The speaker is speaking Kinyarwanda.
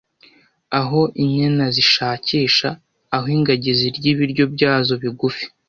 Aho inyana zishakisha, aho ingagi zirya ibiryo byazo bigufi,